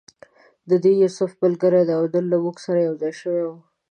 دی د یوسف ملګری دی او نن له موږ سره یو ځای شوی و.